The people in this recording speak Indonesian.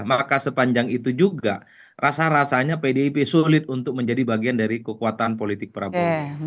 maka sepanjang itu juga rasa rasanya pdip sulit untuk menjadi bagian dari kekuatan politik prabowo